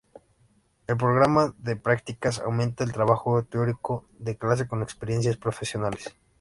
El programa de prácticas aumenta el trabajo teórico de clase con experiencias profesionales.